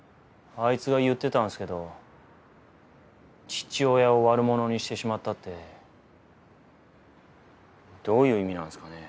あいつが言ってたんですけど「父親を悪者にしてしまった」ってどういう意味なんですかね。